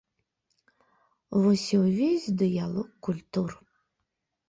Вось і ўвесь дыялог культур.